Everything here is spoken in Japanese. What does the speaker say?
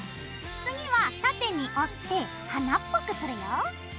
次は縦に折って花っぽくするよ。